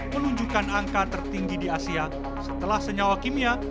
menunjukkan angka tertinggi di asia setelah senyawa kimia